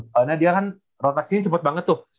karena dia kan rotasinya cepet banget tuh